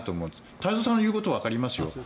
太蔵さんの言うことはわかりますよ。